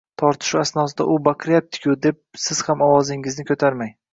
Tortishuv asnosida “U baqiryapti-ku!” deb siz ham ovozingizni ko‘tarmang!